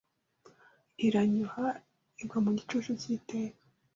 Iranyoha igwa mu gicucu cy'iteka